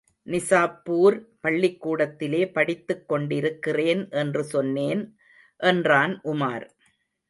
நிசாப்பூர் பள்ளிக்கூடத்திலே படித்துக் கொண்டிருக்கிறேன் என்று சொன்னேன் என்றான் உமார்.